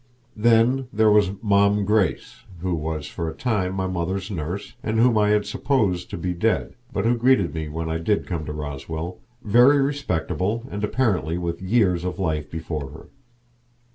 Then there was Mom' Grace, who was for a time my mother's nurse, and whom I had supposed to be dead, but who greeted me when I did come to Roswell, very respectable, and apparently with years of life before her.